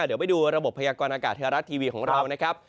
เดี๋ยวไปดูระบบพยากรณากาศไทยรัฐทีวีของเรานะครับ